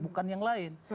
bukan yang lain